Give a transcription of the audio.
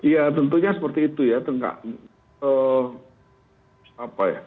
ya tentunya seperti itu ya